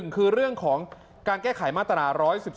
คือเรื่องของการแก้ไขมาตรา๑๑๒